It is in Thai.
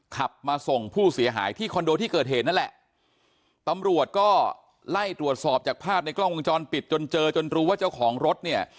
ขับมาส่งผู้เสียหายที่คอนโดที่เกิดเหตุนั่นแหละตำรวจก็ไล่ตรวจสอบจากภาพในกล้องวงจรปิดจนเจอจนรู้ว่าเจ้าของรถเนี่ย